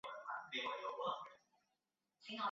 中里是东京都北区的町名。